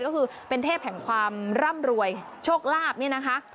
ก็คือเป็นเทพแห่งความร่ำรวยโชคลาภนี่นะคะ